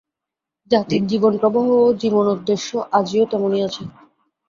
জাতির জীবনপ্রবাহ ও জীবনোদ্দেশ্য আজিও তেমনই আছে।